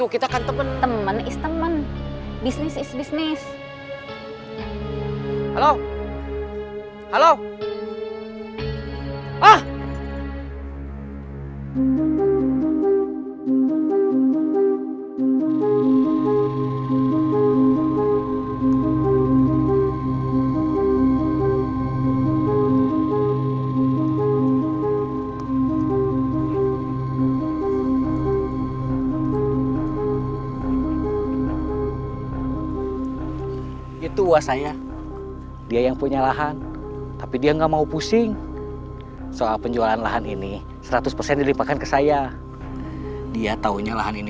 kalau enggak saya akan balik